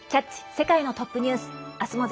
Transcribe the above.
世界のトップニュース」。